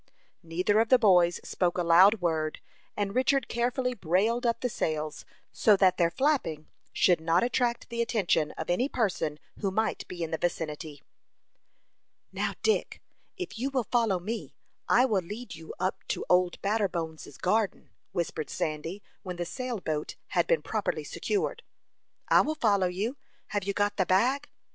Neither of the boys spoke a loud word, and Richard carefully brailed up the sails, so that their flapping should not attract the attention of any person who might be in the vicinity. "Now, Dick, if you will follow me, I will lead you up to Old Batterbones' garden," whispered Sandy, when the sail boat had been properly secured. "I will follow you. Have you got the bag?"